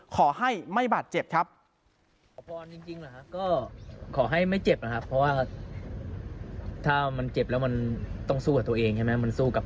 ขอให้ไม่บาดเจ็บครับ